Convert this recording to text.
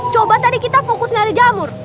coba tadi kita fokus ngalih jamur